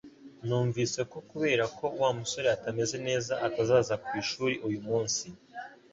Numvise ko kubera ko Wa musore atameze neza atazaza ku ishuri uyu munsi